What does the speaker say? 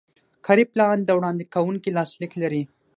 کاري پلان د وړاندې کوونکي لاسلیک لري.